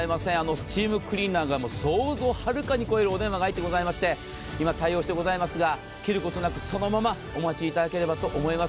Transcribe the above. スチームクリーナーが想像をはるかに超えるお電話が入ってございまして、今、対応してございますが、切ることなくそのままお待ちいただければと思います。